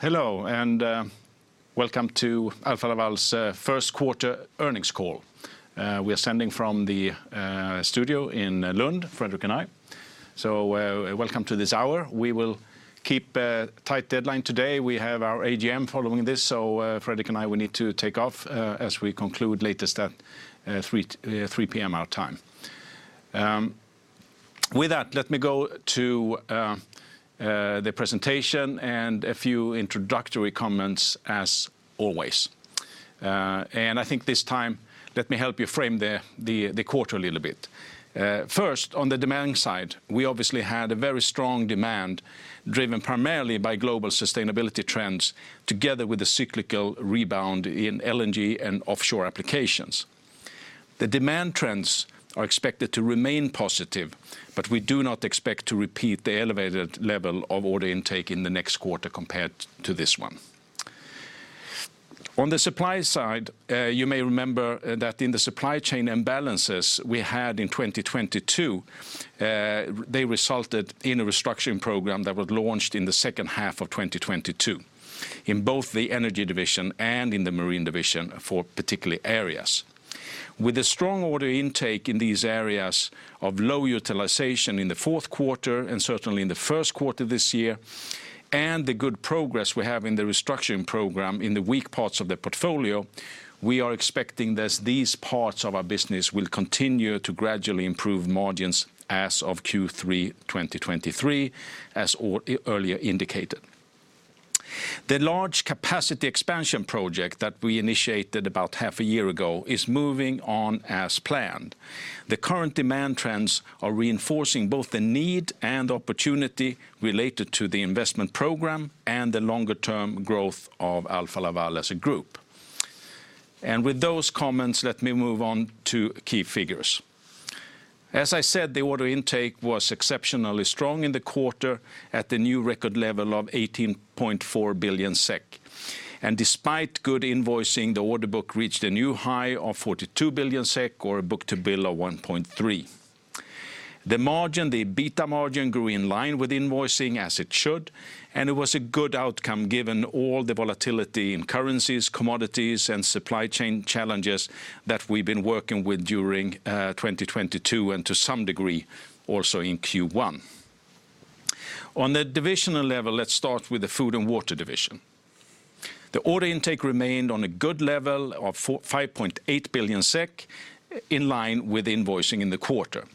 Hello, welcome to Alfa Laval's first quarter earnings call. We are sending from the studio in Lund, Fredrik and I. Welcome to this hour. We will keep a tight deadline today. We have our AGM following this, Fredrik and I, we need to take off as we conclude latest at 3:00 P.M. our time. With that, let me go to the presentation and a few introductory comments as always. I think this time let me help you frame the quarter a little bit. First, on the demanding side, we obviously had a very strong demand driven primarily by global sustainability trends together with the cyclical rebound in LNG and offshore applications. The demand trends are expected to remain positive, but we do not expect to repeat the elevated level of order intake in the next quarter compared to this one. On the supply side, you may remember that in the supply chain imbalances we had in 2022, they resulted in a restructuring program that was launched in the second half of 2022 in both the Energy Division and in the Marine Division for particular areas. With the strong order intake in these areas of low utilization in the fourth quarter, and certainly in the first quarter this year, and the good progress we have in the restructuring program in the weak parts of the portfolio, we are expecting that these parts of our business will continue to gradually improve margins as of Q3 2023, as earlier indicated. The large capacity expansion project that we initiated about half a year ago is moving on as planned. The current demand trends are reinforcing both the need and opportunity related to the investment program and the longer-term growth of Alfa Laval as a group. With those comments, let me move on to key figures. As I said, the order intake was exceptionally strong in the quarter at the new record level of 18.4 billion SEK. Despite good invoicing, the order book reached a new high of 42 billion SEK, or a book-to-bill of 1.3. The margin, the EBITA margin, grew in line with invoicing as it should, and it was a good outcome given all the volatility in currencies, commodities, and supply chain challenges that we've been working with during 2022, and to some degree, also in Q1. On the divisional level, let's start with the Food & Water Division. The order intake remained on a good level of 5.8 billion SEK in line with invoicing in the quarter.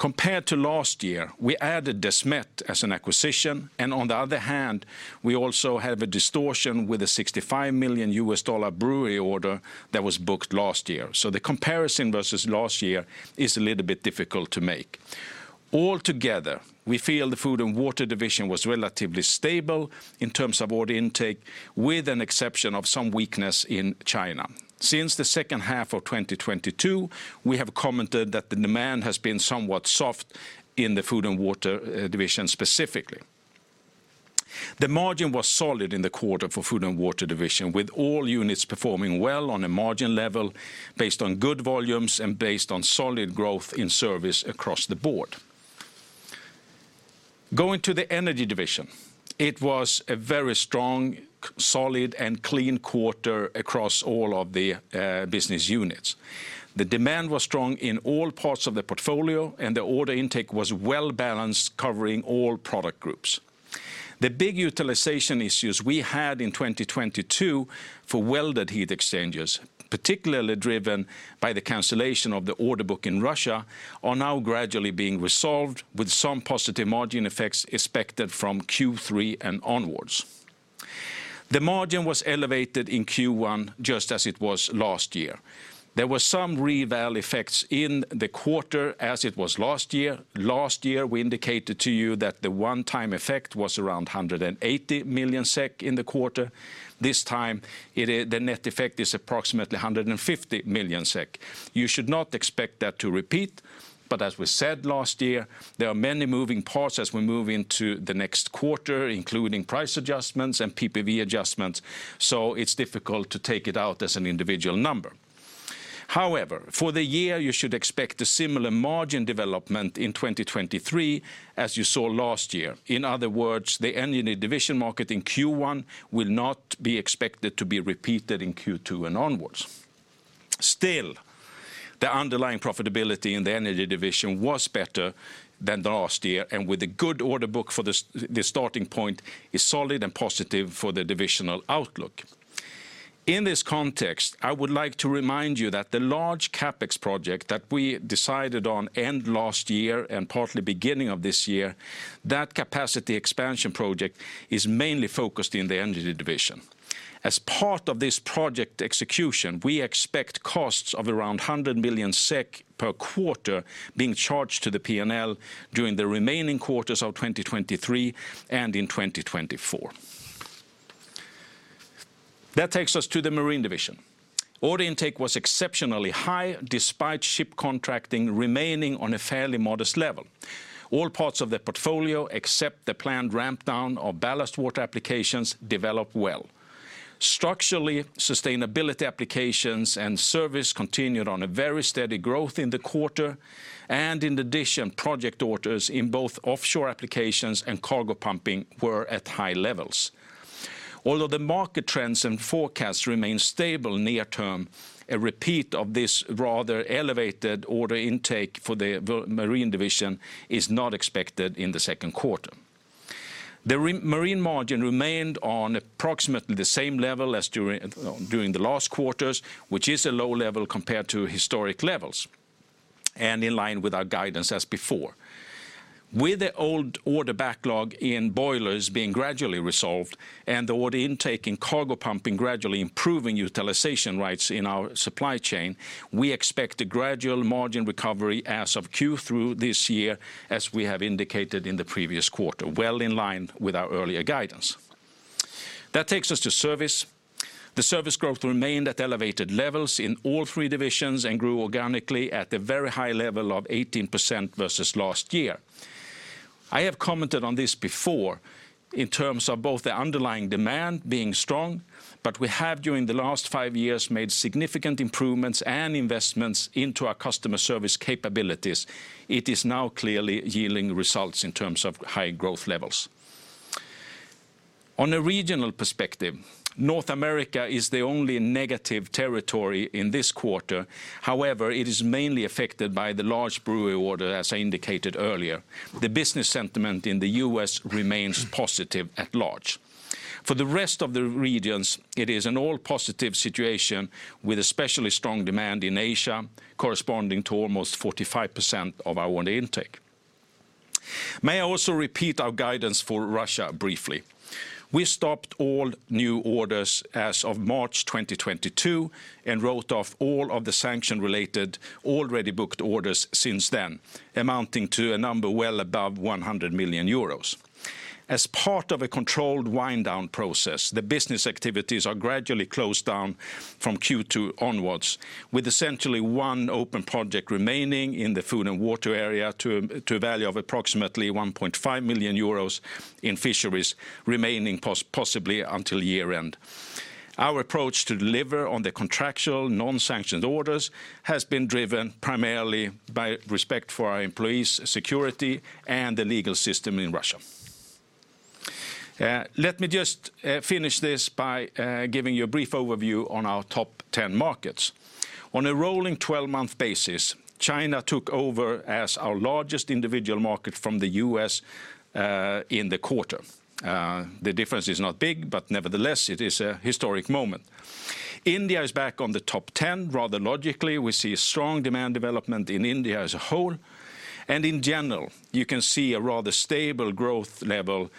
Compared to last year, we added Desmet as an acquisition, and on the other hand, we also have a distortion with a $65 million brewery order that was booked last year. The comparison versus last year is a little bit difficult to make. All together, we feel the Food & Water Division was relatively stable in terms of order intake, with an exception of some weakness in China. Since the second half of 2022, we have commented that the demand has been somewhat soft in the Food & Water Division specifically. The margin was solid in the quarter for Food & Water Division, with all units performing well on a margin level based on good volumes and based on solid growth in service across the board. Going to the Energy Division, it was a very strong, solid, and clean quarter across all of the business units. The demand was strong in all parts of the portfolio, and the order intake was well-balanced, covering all product groups. The big utilization issues we had in 2022 for welded heat exchangers, particularly driven by the cancellation of the order book in Russia, are now gradually being resolved with some positive margin effects expected from Q3 and onwards. The margin was elevated in Q1 just as it was last year. There were some REVAL effects in the quarter as it was last year. Last year, we indicated to you that the one-time effect was around 180 million SEK in the quarter. This time the net effect is approximately 150 million SEK. You should not expect that to repeat, but as we said last year, there are many moving parts as we move into the next quarter, including price adjustments and PPV adjustments, so it's difficult to take it out as an individual number. For the year, you should expect a similar margin development in 2023 as you saw last year. In other words, the Energy Division market in Q1 will not be expected to be repeated in Q2 and onwards. The underlying profitability in the Energy Division was better than last year, and with a good order book for the starting point is solid and positive for the divisional outlook. In this context, I would like to remind you that the large CapEx project that we decided on end last year and partly beginning of this year, that capacity expansion project is mainly focused in the Energy Division. As part of this project execution, we expect costs of around 100 million SEK per quarter being charged to the P&L during the remaining quarters of 2023 and in 2024. That takes us to the Marine Division. Order intake was exceptionally high despite ship contracting remaining on a fairly modest level. All parts of the portfolio, except the planned ramp down of ballast water applications, developed well. Structurally, sustainability applications and service continued on a very steady growth in the quarter, and in addition, project orders in both offshore applications and cargo pumping were at high levels. Although the market trends and forecasts remain stable near term, a repeat of this rather elevated order intake for the Marine Division is not expected in the second quarter. The marine margin remained on approximately the same level as during during the last quarters, which is a low level compared to historic levels, and in line with our guidance as before. With the old order backlog in boilers being gradually resolved, and the order intake in cargo pumping gradually improving utilization rates in our supply chain, we expect a gradual margin recovery as of Q3 this year, as we have indicated in the previous quarter, well in line with our earlier guidance. That takes us to service. The service growth remained at elevated levels in all three divisions and grew organically at the very high level of 18% versus last year. I have commented on this before in terms of both the underlying demand being strong, but we have, during the last five years, made significant improvements and investments into our customer service capabilities. It is now clearly yielding results in terms of high growth levels. On a regional perspective, North America is the only negative territory in this quarter. It is mainly affected by the large brewery order, as I indicated earlier. The business sentiment in the U.S. remains positive at large. The rest of the regions, it is an all-positive situation with especially strong demand in Asia, corresponding to almost 45% of our order intake. May I also repeat our guidance for Russia briefly? We stopped all new orders as of March 2022, and wrote off all of the sanction-related already booked orders since then, amounting to a number well above 100 million euros. As part of a controlled wind down process, the business activities are gradually closed down from Q2 onwards, with essentially one open project remaining in the Food & Water area to a value of approximately 1.5 million euros in fisheries remaining possibly until year-end. Our approach to deliver on the contractual non-sanctioned orders has been driven primarily by respect for our employees' security and the legal system in Russia. Let me just finish this by giving you a brief overview on our top 10 markets. On a rolling 12-month basis, China took over as our largest individual market from the U.S. in the quarter. The difference is not big, but nevertheless it is a historic moment. India is back on the top 10. Rather logically, we see strong demand development in India as a whole. In general, you can see a rather stable growth level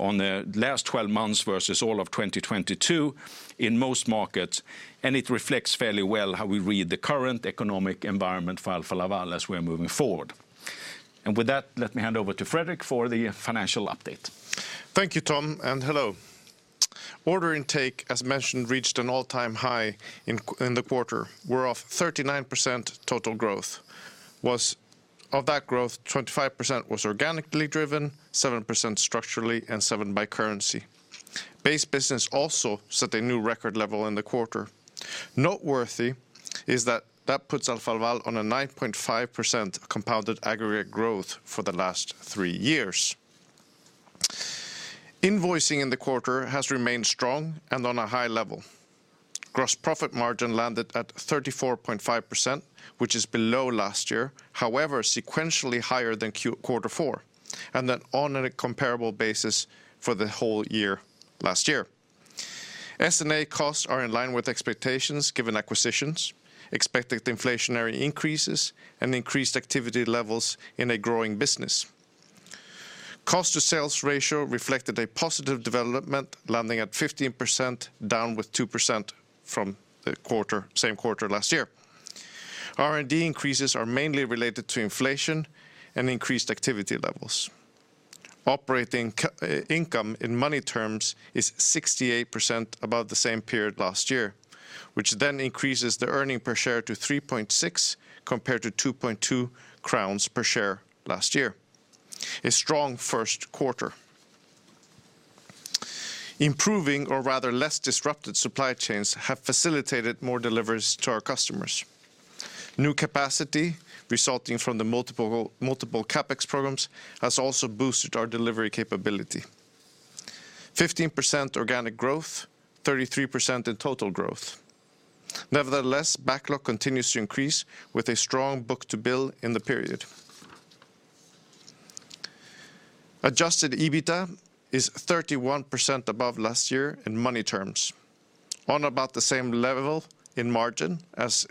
on the last 12 months versus all of 2022 in most markets, and it reflects fairly well how we read the current economic environment for Alfa Laval as we are moving forward. With that, let me hand over to Fredrik for the financial update. Thank you, Tom. Hello. Order intake, as mentioned, reached an all-time high in the quarter. We're off 39% total growth. Of that growth, 25% was organically driven, 7% structurally, and 7% by currency. Base business also set a new record level in the quarter. Noteworthy is that that puts Alfa Laval on a 9.5% compounded aggregate growth for the last three years. Invoicing in the quarter has remained strong and on a high level. Gross profit margin landed at 34.5%, which is below last year, however, sequentially higher than quarter four, and then on a comparable basis for the whole year, last year. S&A costs are in line with expectations given acquisitions, expected inflationary increases, and increased activity levels in a growing business. Cost to sales ratio reflected a positive development landing at 15%, down with 2% from the quarter, same quarter last year. R&D increases are mainly related to inflation and increased activity levels. Operating income in money terms is 68% above the same period last year, which then increases the earning per share to 3.6 compared to 2.2 crowns per share last year. A strong first quarter. Improving or rather less disrupted supply chains have facilitated more deliveries to our customers. New capacity resulting from the multiple CapEx programs has also boosted our delivery capability. 15% organic growth, 33% in total growth. Backlog continues to increase with a strong book-to-bill in the period. Adjusted EBITDA is 31% above last year in money terms, on about the same level in margin as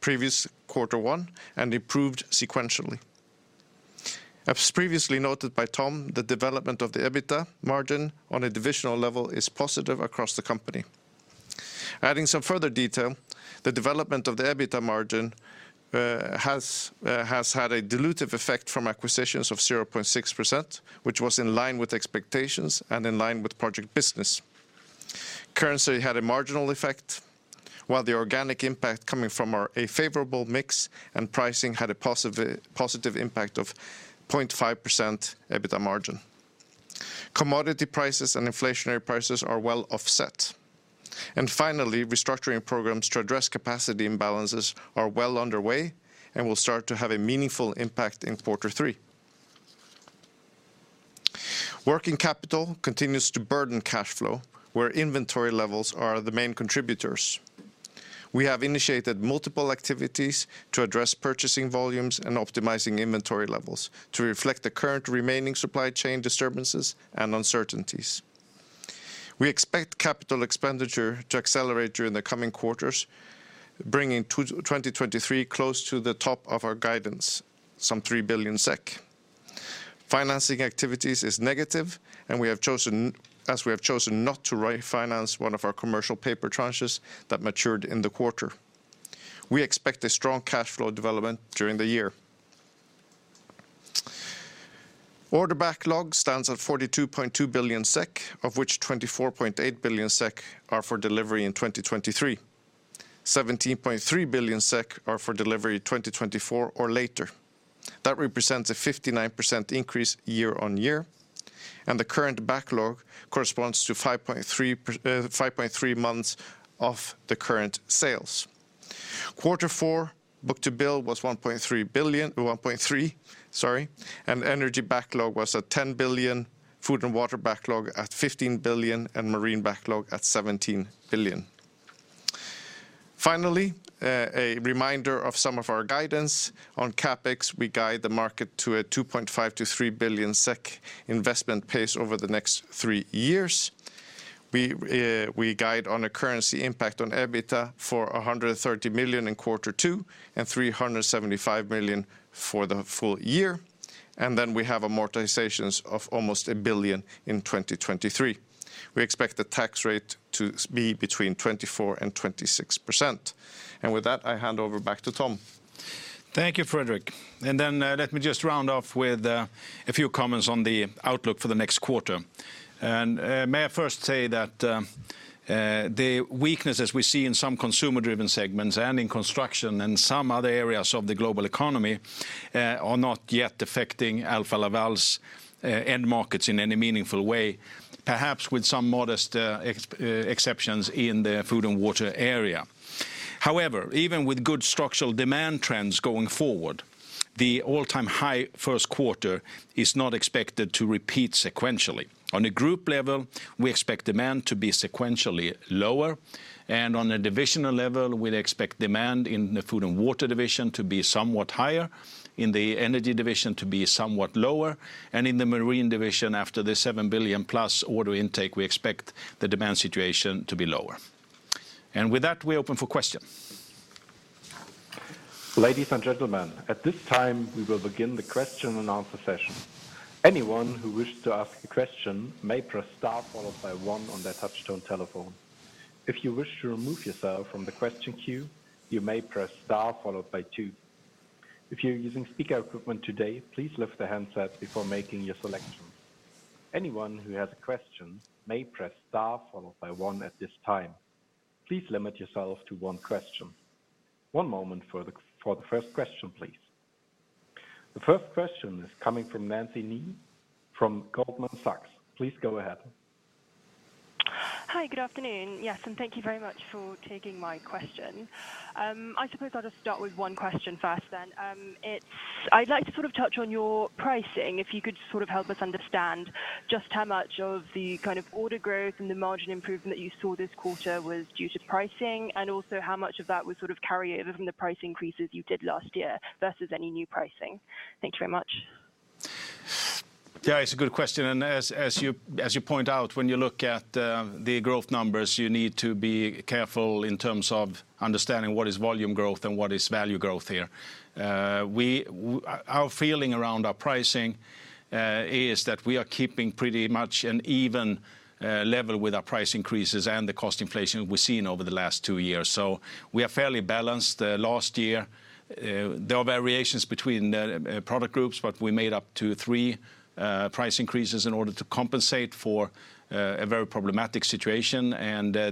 previous quarter one, and improved sequentially. As previously noted by Tom, the development of the EBITDA margin on a divisional level is positive across the company. Adding some further detail, the development of the EBITDA margin has had a dilutive effect from acquisitions of 0.6%, which was in line with expectations and in line with project business. Currency had a marginal effect, while the organic impact coming from a favorable mix and pricing had a positive impact of 0.5% EBITDA margin. Commodity prices and inflationary prices are well offset. Finally, restructuring programs to address capacity imbalances are well underway and will start to have a meaningful impact in quarter three. Working capital continues to burden cash flow, where inventory levels are the main contributors. We have initiated multiple activities to address purchasing volumes and optimizing inventory levels to reflect the current remaining supply chain disturbances and uncertainties. We expect capital expenditure to accelerate during the coming quarters, bringing 2023 close to the top of our guidance, some 3 billion SEK. Financing activities is negative, as we have chosen not to refinance one of our commercial paper tranches that matured in the quarter. We expect a strong cash flow development during the year. Order backlog stands at 42.2 billion SEK, of which 24.8 billion SEK are for delivery in 2023. 17.3 billion SEK are for delivery 2024 or later. That represents a 59% increase year-on-year. The current backlog corresponds to 5.3 months of the current sales. Quarter four book-to-bill was 1.3 billion, or 1.3, sorry. Energy backlog was at 10 billion, Food & Water backlog at 15 billion, and Marine backlog at 17 billion. A reminder of some of our guidance. On CapEx, we guide the market to a 2.5 billion-3 billion SEK investment pace over the next three years. We guide on a currency impact on EBITDA for 130 million in quarter two and 375 million for the full year. We have amortizations of almost 1 billion in 2023. We expect the tax rate to be between 24% and 26%. With that, I hand over back to Tom. Thank you, Fredrik. Then, let me just round off with a few comments on the outlook for the next quarter. May I first say that the weaknesses we see in some consumer-driven segments and in construction and some other areas of the global economy are not yet affecting Alfa Laval's end markets in any meaningful way, perhaps with some modest exceptions in the Food & Water area. However, even with good structural demand trends going forward, the all-time high first quarter is not expected to repeat sequentially. On a group level, we expect demand to be sequentially lower, and on a divisional level, we expect demand in the Food & Water Division to be somewhat higher, in the Energy Division to be somewhat lower, and in the Marine Division, after the 7 billion+ order intake, we expect the demand situation to be lower. With that, we open for questions. Ladies and gentlemen, at this time, we will begin the question-and-answer session. Anyone who wishes to ask a question may press star one on their touch-tone telephone. If you wish to remove yourself from the question queue, you may press star two. If you're using speaker equipment today, please lift the handset before making your selection. Anyone who has a question may press star one at this time. Please limit yourself to one question. One moment for the first question, please. The first question is coming from Nancy Nie from Goldman Sachs. Please go ahead. Hi, good afternoon. Yes, thank you very much for taking my question. I suppose I'll just start with one question first then. I'd like to sort of touch on your pricing. If you could sort of help us understand just how much of the kind of order growth and the margin improvement that you saw this quarter was due to pricing, and also how much of that was sort of carryover from the price increases you did last year versus any new pricing. Thank you very much. It's a good question. As you point out, when you look at the growth numbers, you need to be careful in terms of understanding what is volume growth and what is value growth here. Our feeling around our pricing is that we are keeping pretty much an even level with our price increases and the cost inflation we've seen over the last two years. We are fairly balanced. Last year, there were variations between the product groups, but we made up to three price increases in order to compensate for a very problematic situation.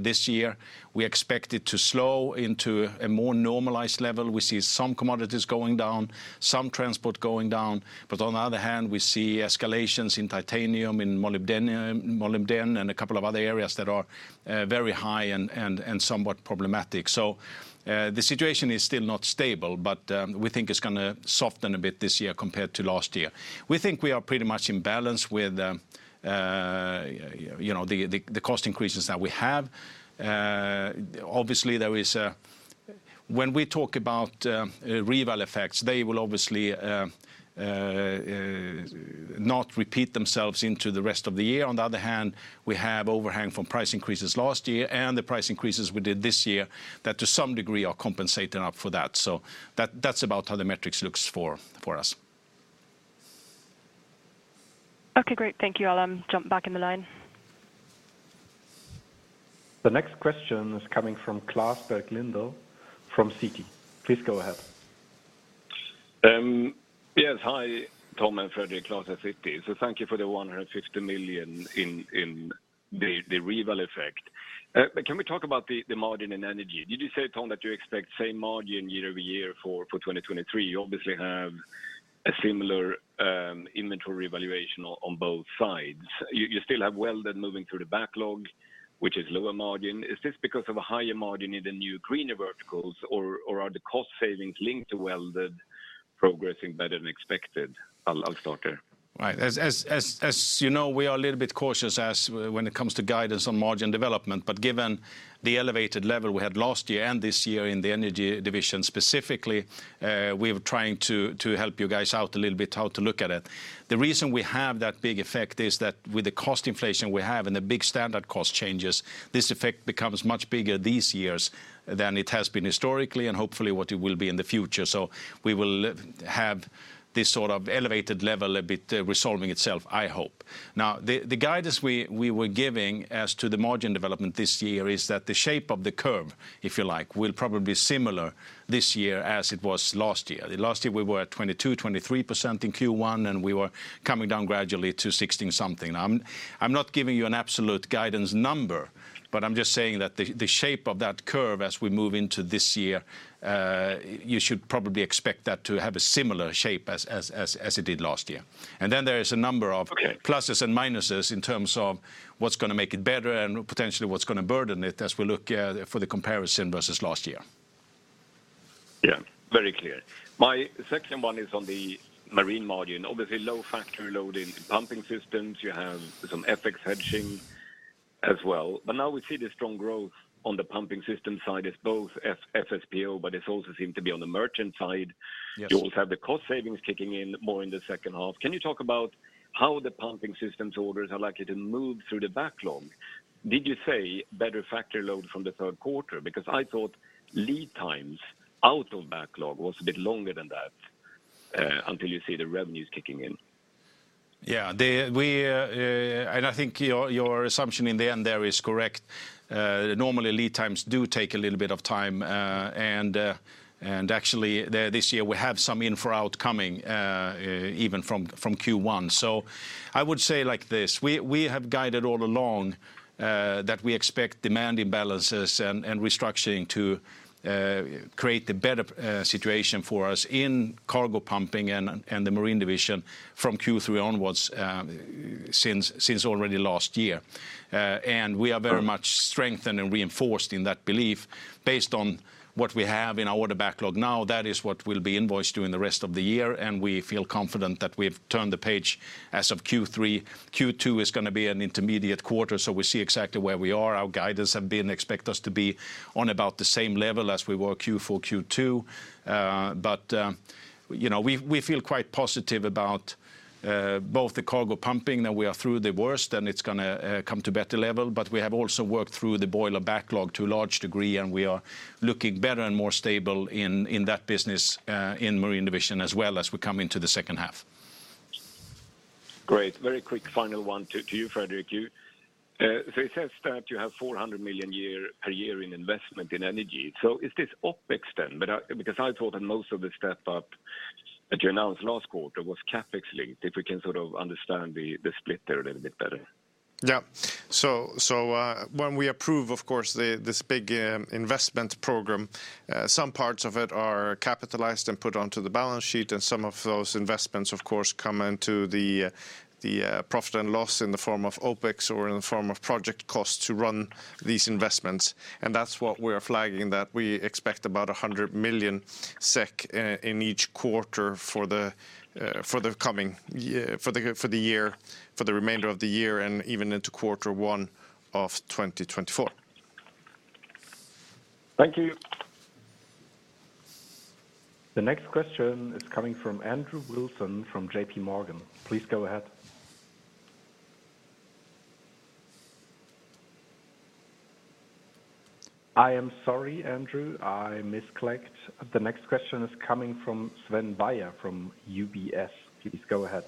This year, we expect it to slow into a more normalized level. We see some commodities going down, some transport going down. On the other hand, we see escalations in titanium, in molybdenum, and a couple of other areas that are very high and somewhat problematic. The situation is still not stable, but we think it's gonna soften a bit this year compared to last year. We think we are pretty much in balance with, you know, the cost increases that we have. Obviously, when we talk about REVAL effects, they will obviously not repeat themselves into the rest of the year. On the other hand, we have overhang from price increases last year and the price increases we did this year that to some degree are compensating up for that. That's about how the metrics looks for us. Okay, great. Thank you. I'll jump back in the line. The next question is coming from Klas Bergelind from Citi. Please go ahead. Yes, hi, Tom and Fredrik, Klas at Citi. Thank you for the 150 million in the REVAL effect. Can we talk about the margin in energy? Did you say, Tom, that you expect same margin year-over-year for 2023? You obviously have a similar inventory evaluation on both sides. You still have welded moving through the backlog, which is lower margin. Is this because of a higher margin in the new greener verticals or are the cost savings linked to welded? Progressing better than expected. I'll start there. Right. As you know, we are a little bit cautious when it comes to guidance on margin development. Given the elevated level we had last year and this year in the Energy Division specifically, we're trying to help you guys out a little bit how to look at it. The reason we have that big effect is that with the cost inflation we have and the big standard cost changes, this effect becomes much bigger these years than it has been historically and hopefully what it will be in the future. We will have this sort of elevated level a bit resolving itself, I hope. Now, the guidance we were giving as to the margin development this year is that the shape of the curve, if you like, will probably be similar this year as it was last year. Last year, we were at 22%-23% in Q1, and we were coming down gradually to 16 something. I'm not giving you an absolute guidance number, but I'm just saying that the shape of that curve as we move into this year, you should probably expect that to have a similar shape as it did last year. There is a number of. Okay Pluses and minuses in terms of what's gonna make it better and potentially what's gonna burden it as we look for the comparison versus last year. Yeah. Very clear. My second one is on the marine margin. Obviously, low factory load in pumping systems. You have some FX hedging as well. Now we see the strong growth on the pumping system side is both FPSO, but it also seem to be on the merchant side. Yes. You also have the cost savings kicking in more in the second half. Can you talk about how the pumping systems orders are likely to move through the backlog? Did you say better factory load from the third quarter? I thought lead times out of backlog was a bit longer than that until you see the revenues kicking in. Yeah. We, I think your assumption in the end there is correct. Normally, lead times do take a little bit of time. Actually, this year, we have some infra out coming even from Q1. I would say like this, we have guided all along that we expect demand imbalances and restructuring to create a better situation for us in cargo pumping and the Marine Division from Q3 onwards since already last year. We are very much strengthened and reinforced in that belief based on what we have in our order backlog now. That is what will be invoiced during the rest of the year, and we feel confident that we've turned the page as of Q3. Q2 is gonna be an intermediate quarter, so we see exactly where we are. Our guidance have been expect us to be on about the same level as we were Q4, Q2. you know, we feel quite positive about both the cargo pumping, that we are through the worst, and it's gonna come to better level. we have also worked through the boiler backlog to a large degree, and we are looking better and more stable in that business, in Marine Division as well as we come into the second half. Great. Very quick final one to you, Fredrik. You, so it says that you have 400 million per year in investment in energy. Is this OpEx then? Because I thought that most of the step-up that you announced last quarter was CapEx linked, if we can sort of understand the split there a little bit better. Yeah. When we approve, of course, this big investment program, some parts of it are capitalized and put onto the balance sheet, and some of those investments, of course, come into the profit and loss in the form of OpEx or in the form of project costs to run these investments. That's what we're flagging, that we expect about 100 million SEK in each quarter for the remainder of the year and even into quarter one of 2024. Thank you. The next question is coming from Andrew Wilson from J.P. Morgan. Please go ahead. I am sorry, Andrew. I misclicked. The next question is coming from Sven Beyer from UBS. Please go ahead.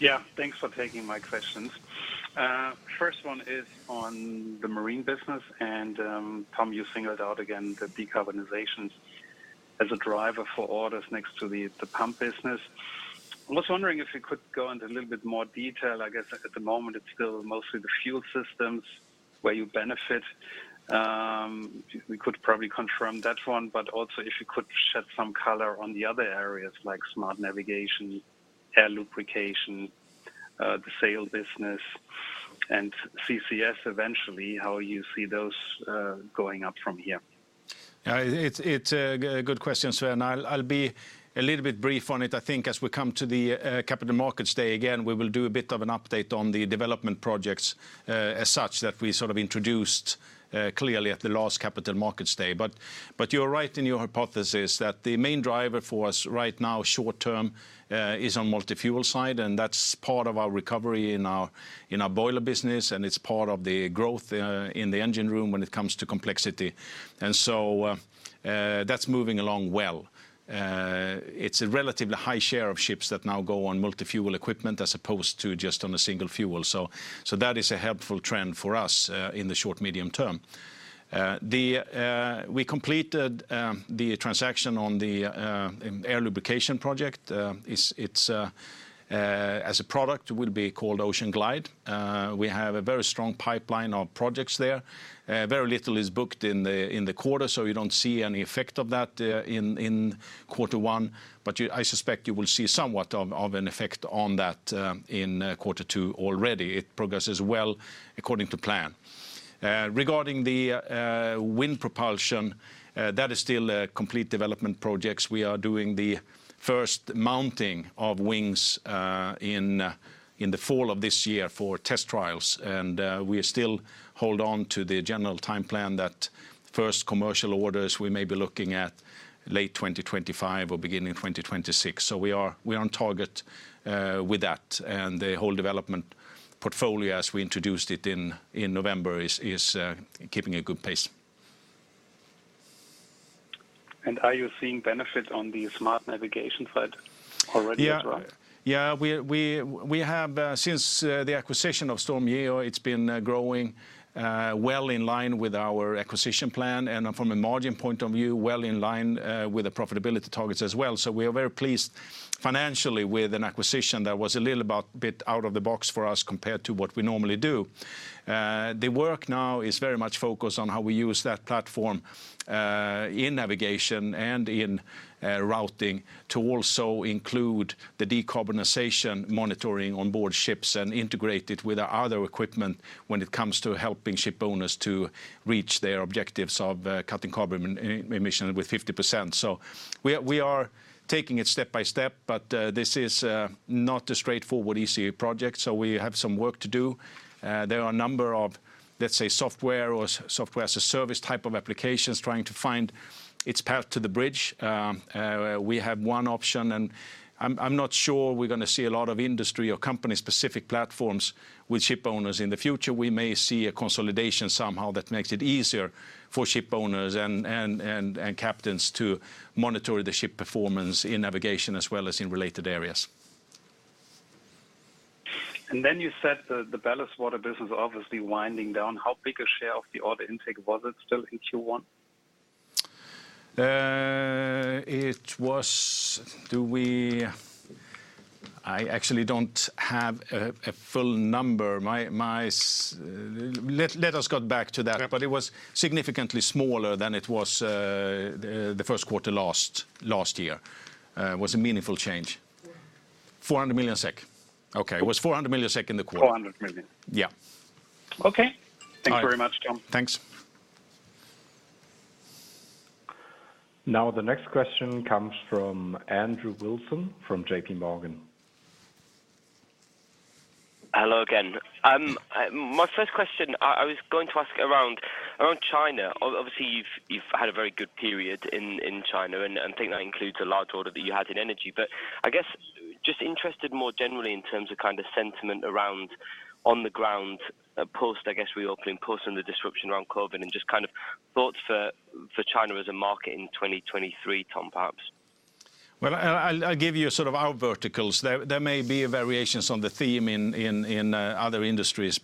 Yeah. Thanks for taking my questions. First one is on the marine business, and, Tom, you singled out again the decarbonization as a driver for orders next to the pump business. I was wondering if you could go into a little bit more detail. I guess at the moment it's still mostly the fuel systems where you benefit. We could probably confirm that one, but also if you could shed some color on the other areas like smart navigation, air lubrication, the sail business and CCS eventually, how you see those going up from here? It's a good question, Sven Beyer. I'll be a little bit brief on it. I think as we come to the Capital Markets Day again, we will do a bit of an update on the development projects as such that we sort of introduced clearly at the last Capital Markets Day. You're right in your hypothesis that the main driver for us right now short term is on multi-fuel side, and that's part of our recovery in our boiler business, and it's part of the growth in the engine room when it comes to complexity. That's moving along well. It's a relatively high share of ships that now go on multi-fuel equipment as opposed to just on a single fuel. That is a helpful trend for us in the short, medium term. We completed the transaction on the air lubrication project. As a product will be called OceanGlide. We have a very strong pipeline of projects there. Very little is booked in the quarter, so you don't see any effect of that in quarter one, but I suspect you will see somewhat of an effect on that in quarter two already. It progresses well according to plan. Regarding the wind propulsion, that is still complete development projects. We are doing the first mounting of wings in the fall of this year for test trials. We still hold on to the general time plan that first commercial orders we may be looking at late 2025 or beginning 2026. We are on target with that. The whole development portfolio as we introduced it in November is keeping a good pace. Are you seeing benefits on the smart navigation side already as well? Yeah. Yeah. We have since the acquisition of StormGeo, it's been growing well in line with our acquisition plan, and from a margin point of view, well in line with the profitability targets as well. We are very pleased financially with an acquisition that was a little bit out of the box for us compared to what we normally do. The work now is very much focused on how we use that platform in navigation and in routing to also include the decarbonization monitoring on board ships and integrate it with our other equipment when it comes to helping ship owners to reach their objectives of cutting carbon emission with 50%. We are taking it step by step, but this is not a straightforward easy project. We have some work to do. There are a number of, let's say, software or software as a service type of applications trying to find its path to the bridge. We have one option, and I'm not sure we're gonna see a lot of industry or company-specific platforms with ship owners in the future. We may see a consolidation somehow that makes it easier for ship owners and captains to monitor the ship performance in navigation as well as in related areas. Then you said the ballast water business obviously winding down. How big a share of the order intake was it still in Q1? I actually don't have a full number. Let us get back to that. Yeah. it was significantly smaller than it was, the first quarter last year. It was a meaningful change. 400 million SEK. Okay. It was 400 million SEK in the quarter. 400 million. Yeah. Okay. All right. Thanks very much, Tom. Thanks. Now the next question comes from Andrew Wilson from J.P. Morgan. Hello again. My first question I was going to ask around China. Obviously, you've had a very good period in China and think that includes a large order that you had in Energy. I guess just interested more generally in terms of kind of sentiment around on the ground, post reopening, post any disruption around COVID and just kind of thoughts for China as a market in 2023, Tom, perhaps. Well, I'll give you sort of our verticals. There may be variations on the theme in other industries.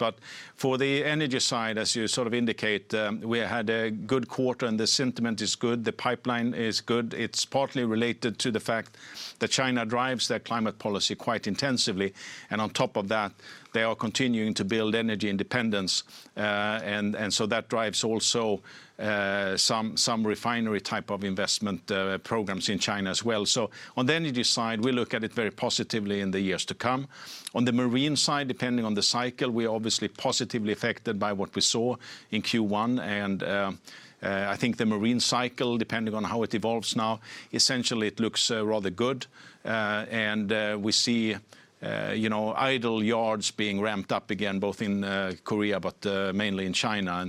For the Energy Division, as you sort of indicate, we had a good quarter, and the sentiment is good. The pipeline is good. It's partly related to the fact that China drives their climate policy quite intensively, and on top of that, they are continuing to build energy independence. That drives also some refinery type of investment programs in China as well. On the Energy Division, we look at it very positively in the years to come. On the Marine Division, depending on the cycle, we're obviously positively affected by what we saw in Q1. I think the marine cycle, depending on how it evolves now, essentially it looks rather good. We see, you know, idle yards being ramped up again, both in Korea, mainly in China.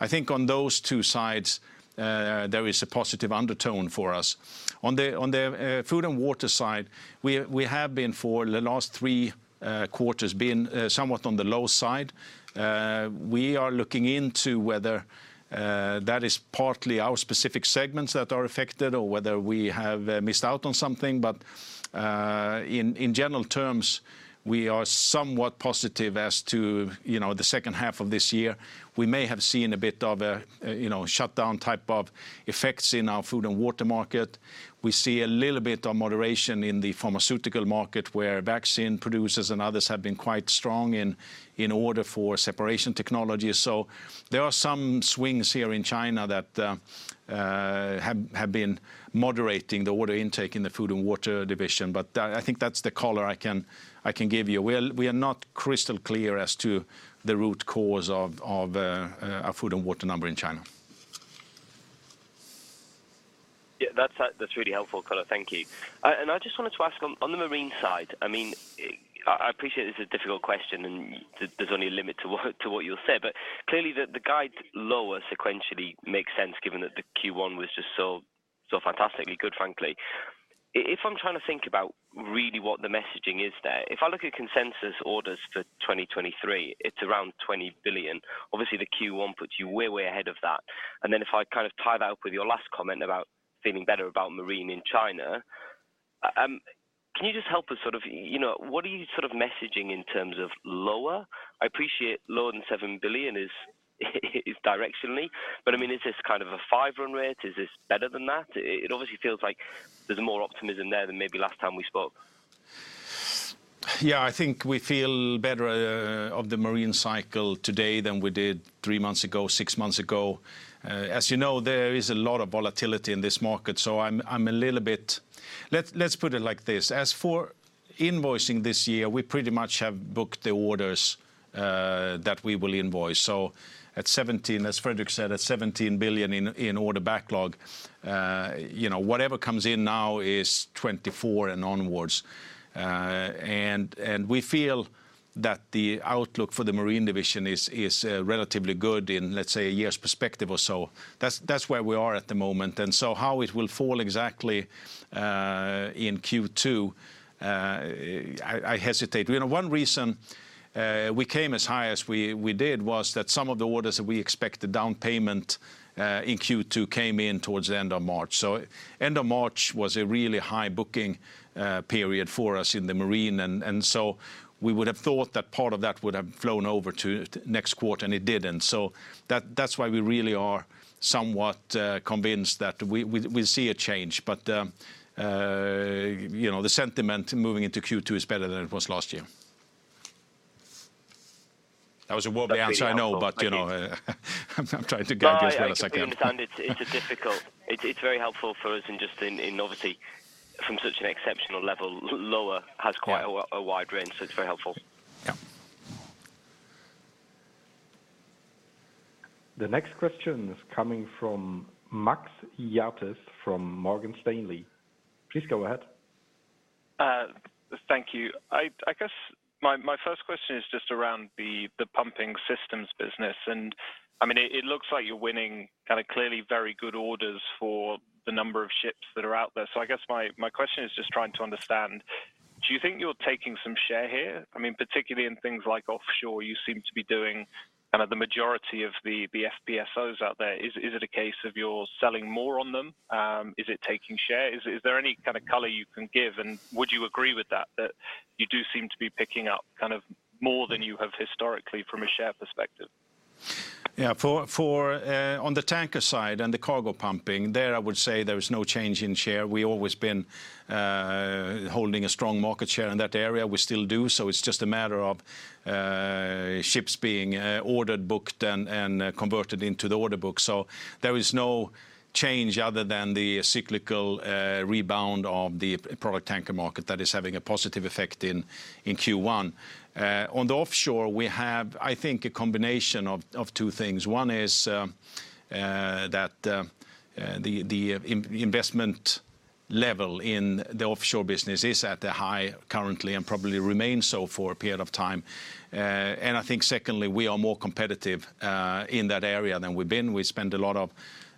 I think on those two sides, there is a positive undertone for us. On the Food & Water Division side, we have been, for the last three quarters, been somewhat on the low side. We are looking into whether that is partly our specific segments that are affected or whether we have missed out on something. In general terms, we are somewhat positive as to, you know, the second half of this year. We may have seen a bit of a, you know, shutdown type of effects in our Food & Water market. We see a little bit of moderation in the pharmaceutical market, where vaccine producers and others have been quite strong in order for separation technology. There are some swings here in China that have been moderating the order intake in the Food & Water Division. That, I think that's the color I can give you. We are not crystal clear as to the root cause of our Food & Water number in China. Yeah. That's really helpful color. Thank you. And I just wanted to ask on the marine side, I mean, I appreciate this is a difficult question, and there's only a limit to what you'll say. Clearly the guide lower sequentially makes sense given that the Q1 was just so fantastically good, frankly. If I'm trying to think about really what the messaging is there, if I look at consensus orders for 2023, it's around 20 billion. Obviously, the Q1 puts you way ahead of that. If I kind of tie that up with your last comment about feeling better about marine in China, can you just help us sort of, you know, what are you sort of messaging in terms of lower? I appreciate lower than 7 billion is directionally, but, I mean, is this kind of a five run rate? Is this better than that? It obviously feels like there's more optimism there than maybe last time we spoke. I think we feel better of the marine cycle today than we did three months ago, six months ago. As you know, there is a lot of volatility in this market, so I'm a little bit. Let's put it like this. As for invoicing this year, we pretty much have booked the orders that we will invoice. At 17 billion, as Fredrik said, at 17 billion in order backlog, you know, whatever comes in now is 2024 and onwards. We feel that the outlook for the Marine Division is relatively good in, let's say, a year's perspective or so. That's where we are at the moment. How it will fall exactly in Q2, I hesitate. You know, one reason, we came as high as we did was that some of the orders that we expect the down payment in Q2 came in towards the end of March. End of March was a really high booking period for us in the Marine. We would have thought that part of that would have flown over to next quarter, and it didn't. That's why we really are somewhat convinced that we see a change. You know, the sentiment moving into Q2 is better than it was last year. That was a wobbly answer, I know. Thank you. You know, I'm trying to guide you here a second. No, I completely understand. It's just difficult. It's very helpful for us in just in novelty from such an exceptional level. Lower has quite a wi-. Yeah a wide range, so it's very helpful. Yeah. The next question is coming from Max Yates from Morgan Stanley. Please go ahead. Thank you. I guess my first question is just around the pumping systems business. I mean, it looks like you're winning kind of clearly very good orders for the number of ships that are out there. I guess my question is just trying to understand, do you think you're taking some share here? I mean, particularly in things like offshore, you seem to be doing kind of the majority of the FPSOs out there. Is it a case of you're selling more on them? Is it taking share? Is there any kind of color you can give, and would you agree with that you do seem to be picking up kind of more than you have historically from a share perspective? Yeah. For the tanker side and the cargo pumping, there I would say there is no change in share. We always been holding a strong market share in that area. We still do; it's just a matter of ships being ordered, booked, and converted into the order book. There is no change other than the cyclical rebound of the product tanker market that is having a positive effect in Q1. On the offshore, we have, I think, a combination of two things. One is that the investment level in the offshore business is at a high currently and probably remain so for a period of time. I think secondly, we are more competitive in that area than we've been. We spent a lot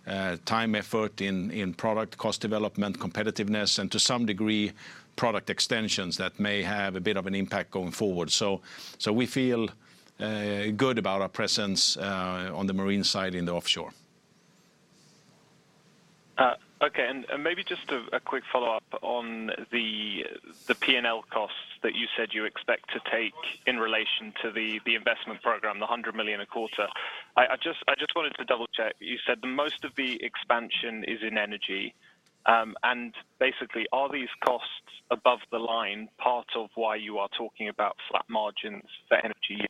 of time, effort in product cost development, competitiveness, and to some degree, product extensions that may have a bit of an impact going forward. We feel good about our presence on the marine side in the offshore. Okay. Maybe just a quick follow-up on the P&L costs that you said you expect to take in relation to the investment program, the 100 million a quarter. I just wanted to double-check. You said the most of the expansion is in Energy. Basically, are these costs above the line part of why you are talking about flat margins for Energy?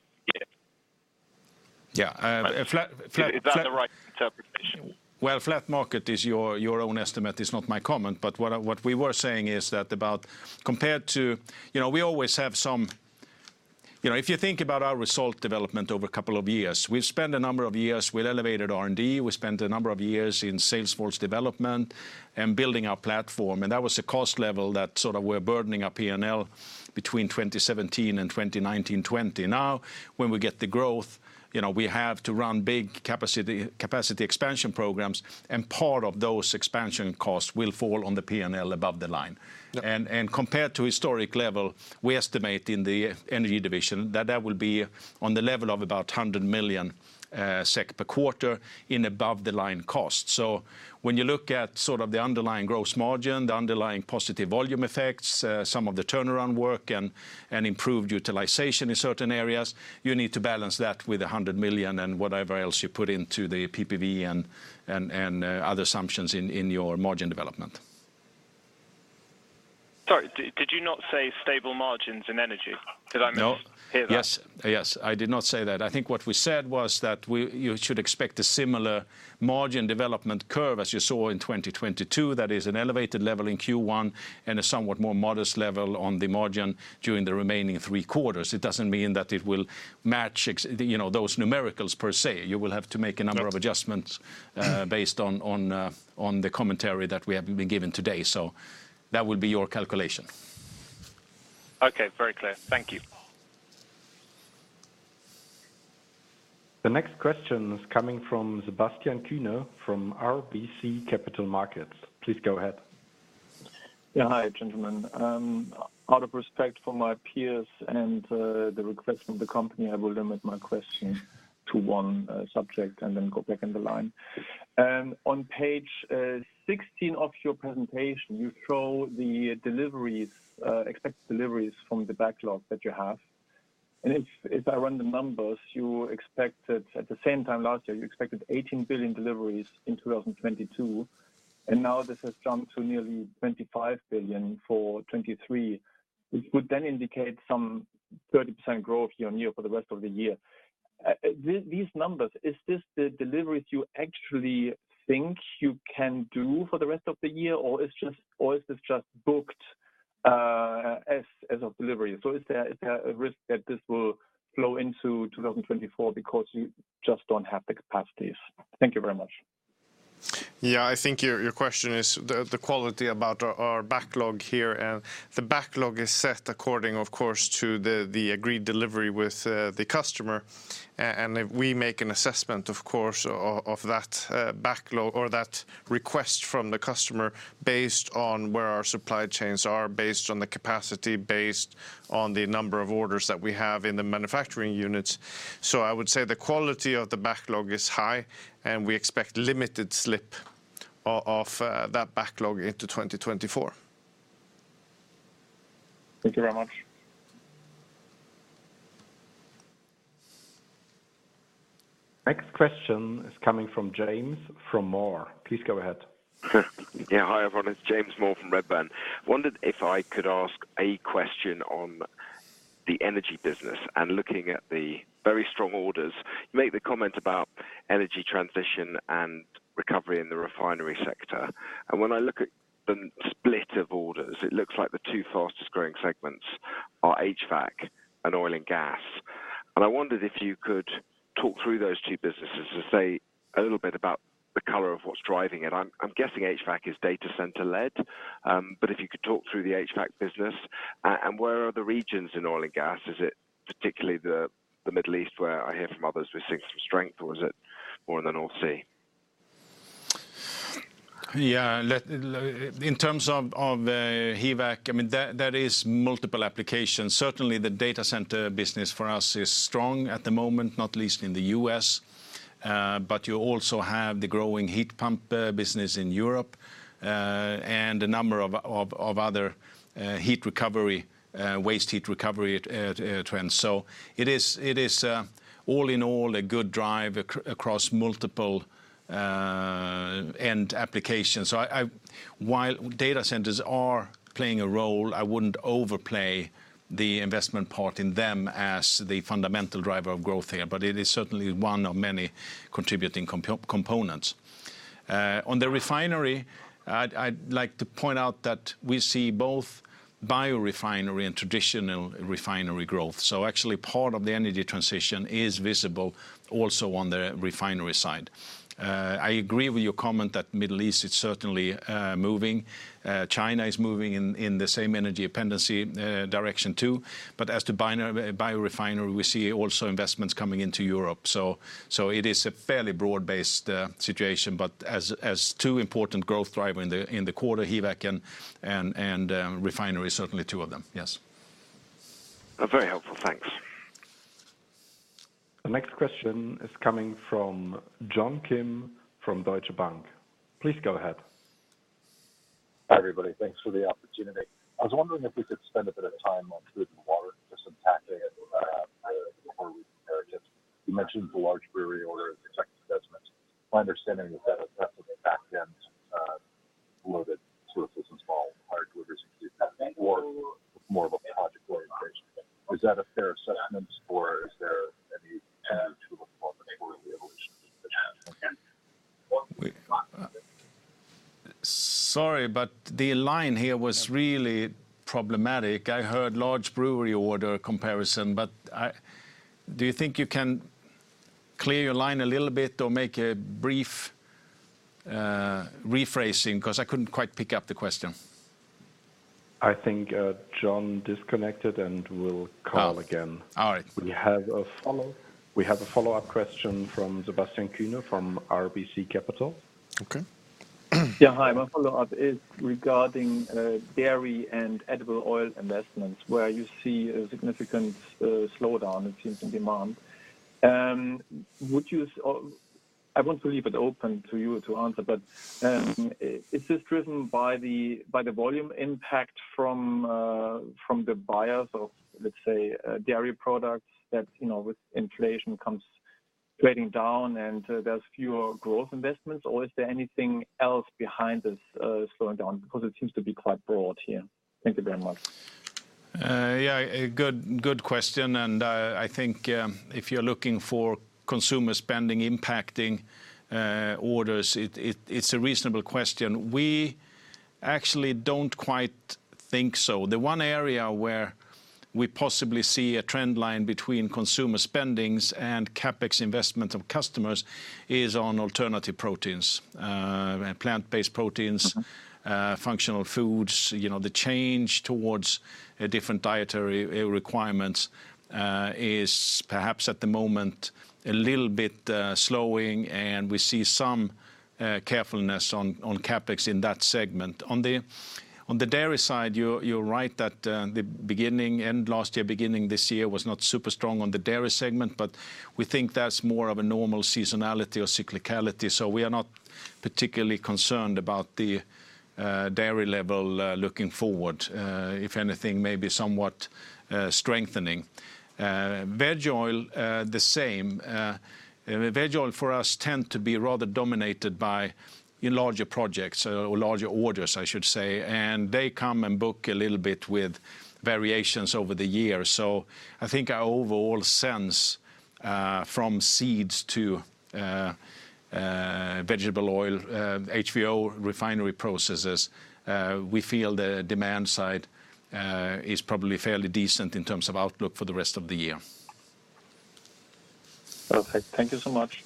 Yeah. A flat. Is that the right interpretation? Well, flat market is your own estimate. It's not my comment. What we were saying is that. You know, we always have. You know, if you think about our result development over a couple of years, we've spent a number of years with elevated R&D, we spent a number of years in salesforce development and building our platform, and that was a cost level that sort of we're burdening our P&L between 2017 and 2019-2020. When we get the growth, you know, we have to run big capacity expansion programs, and part of those expansion costs will fall on the P&L above the line. Yeah. Compared to historic level, we estimate in the Energy Division that that will be on the level of about 100 million SEK per quarter in above-the-line cost. When you look at sort of the underlying gross margin, the underlying positive volume effects, some of the turnaround work and improved utilization in certain areas, you need to balance that with 100 million and whatever else you put into the PPV and other assumptions in your margin development. Sorry. Did you not say stable margins in energy? No... hear that? Yes. Yes. I did not say that. I think what we said was that we, you should expect a similar margin development curve as you saw in 2022, that is an elevated level in Q1 and a somewhat more modest level on the margin during the remaining three quarters. It doesn't mean that it will match you know, those numericals per se. You will have to make a number of- Right... adjustments, based on the commentary that we have been giving today. That would be your calculation. Okay. Very clear. Thank you. The next question is coming from Sebastian Kuenne from RBC Capital Markets. Please go ahead. Yeah. Hi, gentlemen. out of respect for my peers and the request from the company, I will limit my question to one subject and then go back in the line. on page 16 of your presentation, you show the deliveries, expected deliveries from the backlog that you have. If, if I run the numbers, you expected, at the same time last year, you expected 18 billion deliveries in 2022, and now this has jumped to nearly 25 billion for 2023, which would then indicate some 30% growth year-on-year for the rest of the year. these numbers, is this the deliveries you actually think you can do for the rest of the year, or is this just booked, as of delivery? Is there a risk that this will flow into 2024 because you just don't have the capacities? Thank you very much. I think your question is the quality about our backlog here. The backlog is set according, of course, to the agreed delivery with the customer. If we make an assessment, of course, of that backlog or that request from the customer based on where our supply chains are, based on the capacity, based on the number of orders that we have in the manufacturing units. I would say the quality of the backlog is high, and we expect limited slip of that backlog into 2024. Thank you very much. Next question is coming from James from Moore. Please go ahead. Yeah. Hi, everyone. It's James Moore from Redburn. Wondered if I could ask a question on the energy business and looking at the very strong orders. You made the comment about energy transition and recovery in the refinery sector, and when I look at the split of orders, it looks like the two fastest-growing segments are HVAC and oil and gas. I wondered if you could talk through those two businesses to say a little bit about the color of what's driving it. I'm guessing HVAC is data center-led, but if you could talk through the HVAC business and where are the regions in oil and gas? Is it particularly the Middle East where I hear from others we're seeing some strength, or is it more in the North Sea? Let, in terms of HVAC, I mean, there is multiple applications. Certainly, the data center business for us is strong at the moment, not least in the U.S., but you also have the growing heat pump business in Europe, and a number of other heat recovery, waste heat recovery trends. It is, all in all, a good drive across multiple end applications. I. While data centers are playing a role, I wouldn't overplay the investment part in them as the fundamental driver of growth here, but it is certainly one of many contributing components. On the refinery, I'd like to point out that we see both biorefinery and traditional refinery growth. Actually, part of the energy transition is visible also on the refinery side. I agree with your comment that Middle East is certainly moving. China is moving in the same energy dependency direction too. As to biorefinery, we see also investments coming into Europe. So it is a fairly broad-based situation, but as two important growth driver in the quarter, HVAC and refinery, certainly two of them. Yes. Very helpful. Thanks. The next question is coming from John Kim from Deutsche Bank. Please go ahead. Hi, everybody. Thanks for the opportunity. I was wondering if we could spend a bit of time on Food & Water, just unpacking it, before we compare it. You mentioned the large brewery order, executive investment. My understanding is that affected the back end, loaded surfaces involved in larger orders and food or more of a project orientation. Is that a fair assessment, or is there any two to perform before we evolution? Sorry, but the line here was really problematic. I heard large brewery order comparison, but I... Do you think you can clear your line a little bit or make a brief rephrasing? 'Cause I couldn't quite pick up the question. I think, John disconnected, and we'll call again. All right. We have a follow-up question from Sebastian Kuenne from RBC Capital. Okay. Yeah. Hi. My follow-up is regarding dairy and edible oil investments where you see a significant slowdown it seems in demand. I want to leave it open to you to answer, is this driven by the volume impact from the buyers of, let's say, dairy products that, you know, with inflation comes trading down and there's fewer growth investments, or is there anything else behind this slowing down? It seems to be quite broad here. Thank you very much. Yeah, a good question, and, I think, if you're looking for consumer spending impacting, orders, it's a reasonable question. We actually don't quite think so. The one area where we possibly see a trend line between consumer spendings and CapEx investment of customers is on alternative proteins, and plant-based proteins-... functional foods. You know, the change towards a different dietary requirements is perhaps at the moment a little bit slowing, and we see some carefulness on CapEx in that segment. On the dairy side, you're right that the beginning, end last year, beginning this year was not super strong on the dairy segment, we think that's more of a normal seasonality or cyclicality. We are not particularly concerned about the dairy level looking forward, if anything, maybe somewhat strengthening. Veg oil, the same. Veg oil for us tend to be rather dominated by larger projects or larger orders, I should say, they come and book a little bit with variations over the years. I think our overall sense, from seeds to, vegetable oil, HVO refinery processes, we feel the demand side, is probably fairly decent in terms of outlook for the rest of the year. Okay, thank you so much.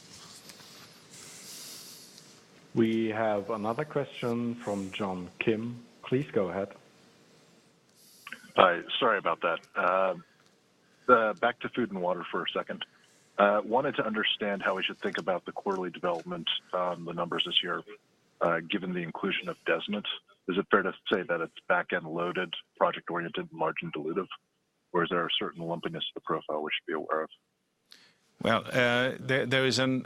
We have another question from John Kim. Please go ahead. Hi. Sorry about that. Back to Food & Water for a second. Wanted to understand how we should think about the quarterly development on the numbers this year, given the inclusion of Desmet. Is it fair to say that it's back-end loaded, project-oriented, margin dilutive, or is there a certain lumpiness to the profile we should be aware of? Well, there is an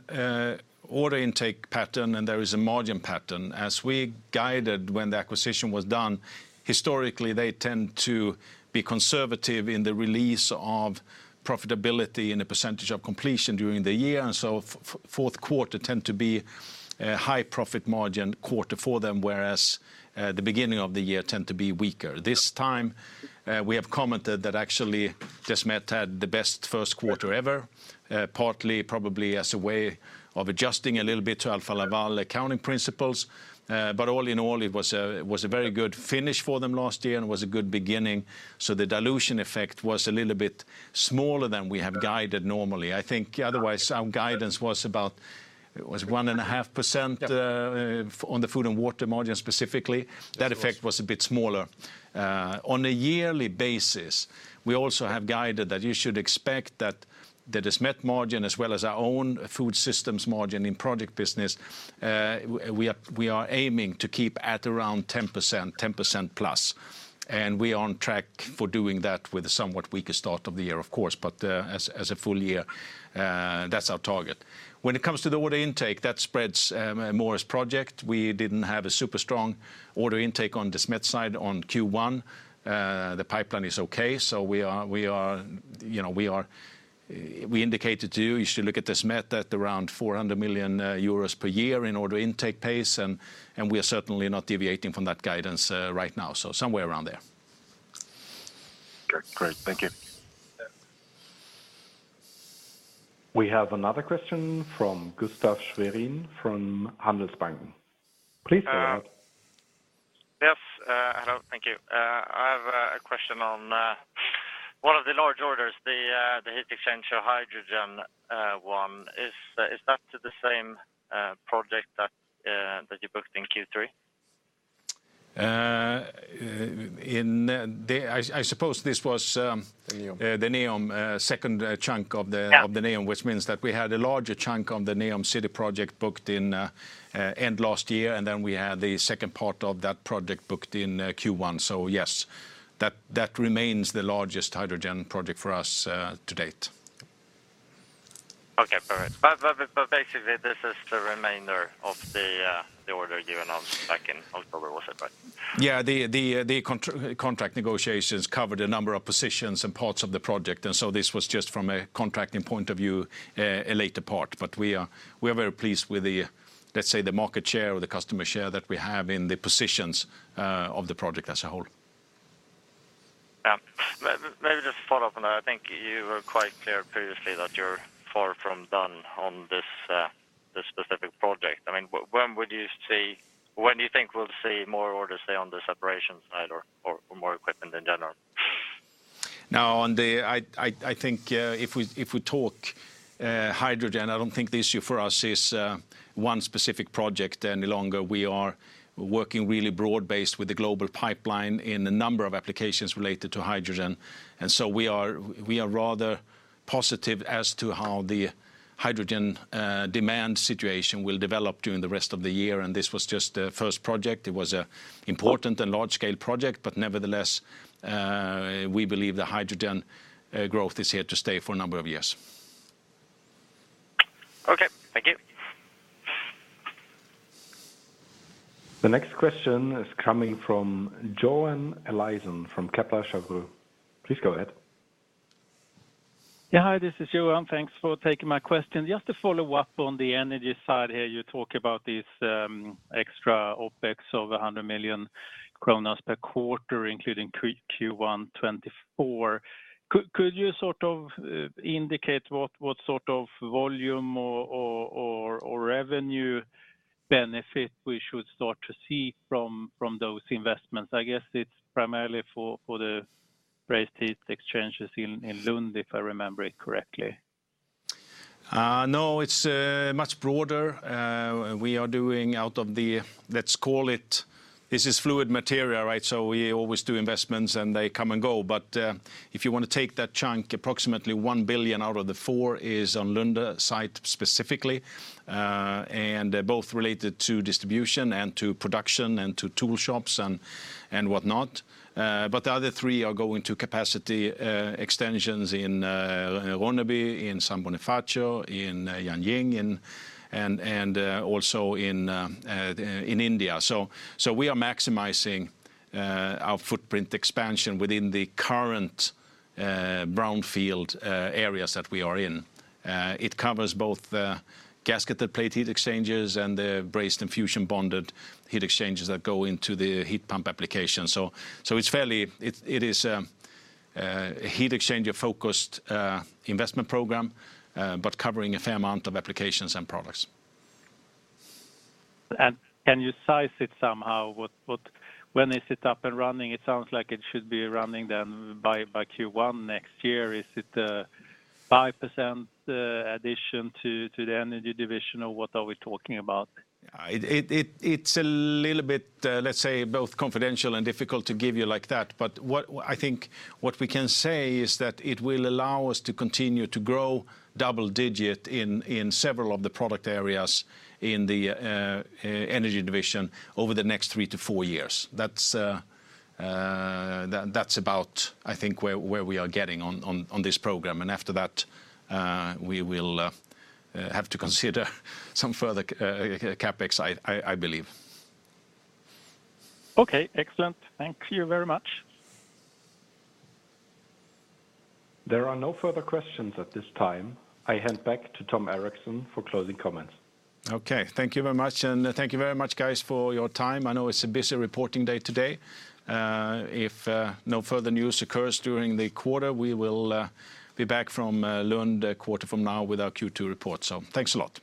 order intake pattern, and there is a margin pattern. As we guided when the acquisition was done, historically, they tend to be conservative in the release of profitability in a percentage of completion during the year. Fourth quarter tend to be a high profit margin quarter for them, whereas the beginning of the year tend to be weaker. This time, we have commented that actually Desmet had the best first quarter ever, partly probably as a way of adjusting a little bit to Alfa Laval accounting principles. All in all, it was a very good finish for them last year, and it was a good beginning, so the dilution effect was a little bit smaller than we have guided normally. I think otherwise our guidance was about, it was 1.5%. Yeah on the Food & Water margin specifically. That effect was a bit smaller. On a yearly basis, we also have guided that you should expect that the Desmet margin as well as our own food systems margin in project business, we are aiming to keep at around 10%, 10% plus, and we are on track for doing that with a somewhat weaker start of the year, of course, but as a full year, that's our target. When it comes to the order intake, that spreads more as project. We didn't have a super strong order intake on Desmet side on Q1. The pipeline is okay. We are, you know, We indicated to you should look at Desmet at around 400 million euros per year in order intake pace. We are certainly not deviating from that guidance right now. Somewhere around there. Okay, great. Thank you. We have another question from Gustav Sjöbring from Handelsbanken. Please go ahead. Yes. Hello. Thank you. I have a question on one of the large orders, the heat exchange or hydrogen one. Is that the same project that you booked in Q3? I suppose this was The Neom. the Neom second chunk of Yeah... of the Neom, which means that we had a larger chunk on the Neom city project booked in, end last year, and then we had the second part of that project booked in, Q1. Yes, that remains the largest hydrogen project for us, to date. Okay, perfect. Basically, this is the remainder of the order given of back in October, was it, right? Yeah. The contract negotiations covered a number of positions and parts of the project, and so this was just from a contracting point of view, a later part. We are very pleased with the, let's say, the market share or the customer share that we have in the positions, of the project as a whole. Yeah. Let me just follow up on that. I think you were quite clear previously that you're far from done on this specific project. I mean, when do you think we'll see more orders, say, on the separation side or more equipment in general? No, I think if we talk hydrogen, I don't think the issue for us is one specific project any longer. We are working really broad-based with the global pipeline in a number of applications related to hydrogen. We are rather positive as to how the hydrogen demand situation will develop during the rest of the year, and this was just a first project. It was an important and large-scale project, nevertheless, we believe the hydrogen growth is here to stay for a number of years. Okay, thank you. The next question is coming from Johan Eliason from Kepler Cheuvreux. Please go ahead. Hi, this is Johan. Thanks for taking my question. Just to follow up on the energy side here, you talk about this extra OpEx of 100 million kronor per quarter, including Q1 2024. Could you sort of indicate what sort of volume or revenue benefit we should start to see from those investments? I guess it's primarily for the brazed heat exchangers in Lund, if I remember it correctly. No, it's much broader. We are doing out of the, let's call it, this is fluid material, right? We always do investments, and they come and go. If you wanna take that chunk, approximately 1 billion out of the four is on Lund site specifically, and they're both related to distribution and to production and to tool shops and whatnot. The other three are going to capacity extensions in Ronneby, in San Bonifacio, in Yangjiang, and also in India. We are maximizing our footprint expansion within the current brownfield areas that we are in. It covers both the gasketed plate heat exchangers and the brazed and fusion-bonded plate heat exchangers that go into the heat pump application. It is a heat exchanger-focused investment program but covering a fair amount of applications and products. Can you size it somehow? What When is it up and running? It sounds like it should be running then by Q1 next year. Is it a 5% addition to the Energy Division, or what are we talking about? It's a little bit, let's say, both confidential and difficult to give you like that. I think what we can say is that it will allow us to continue to grow double-digit in several of the product areas in the Energy Division over the next three to four years. That's about, I think, where we are getting on this program. After that, we will have to consider some further CapEx, I believe. Okay, excellent. Thank you very much. There are no further questions at this time. I hand back to Tom Erixon for closing comments. Okay, thank you very much. Thank you very much, guys, for your time. I know it's a busy reporting day today. If no further news occurs during the quarter, we will be back from Lund a quarter from now with our Q2 report. Thanks a lot.